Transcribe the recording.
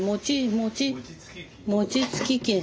餅つき機。